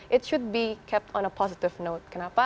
harus diberikan peningkatan positif kenapa